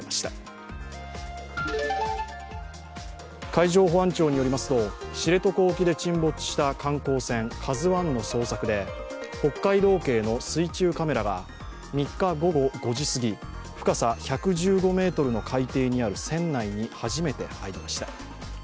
海上保安庁によりますと、知床沖で沈没した観光船、「ＫＡＺＵⅠ」の捜索で北海道警の水中カメラが３日午後５時すぎ、深さ１１５ｍの海底にある船内に初めて入りました。